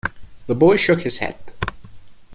The boy shook his head.